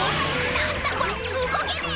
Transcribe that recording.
なんだこれうごけねえ。